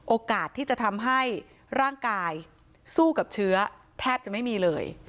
โอกาสที่จะทำให้ร่างกายสู้กับเชื้อแทบจะไม่มีเลย